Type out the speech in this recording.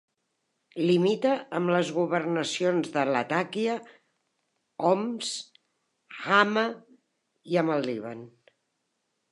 Limita amb les governacions de Latakia, Homs, Hama, i amb el Líban.